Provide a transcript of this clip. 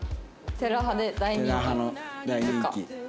『テラハ』の大人気。